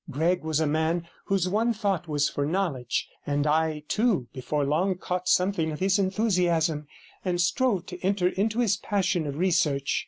Gregg was a man whose one thought was for knowledge, and I too before long caught something of his enthusiasm, and strove to enter into his passion of research.